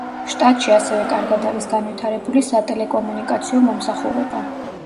შტატში ასევე კარგად არის განვითარებული სატელეკომუნიკაციო მომსახურება.